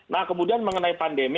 nah kemudian mengenai pandemi